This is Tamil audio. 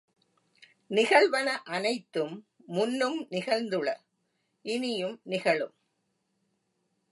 நிகழ்வன அனைத்தும் முன்னும் நிகழ்ந்துள, இனியும் நிகழும்.